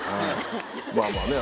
まあまあね